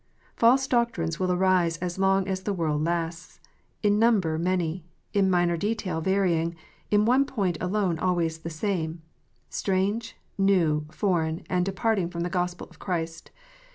False doctrines will arise as long as the world lasts, in number many, in minor details varying, in one point alone always the same, strange, new, foreign, and departing from the Gospel of Christ.